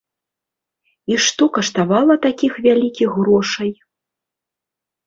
І што каштавала такіх вялікіх грошай?